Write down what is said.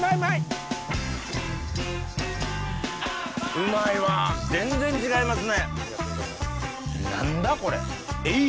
うまいわ全然違いますね。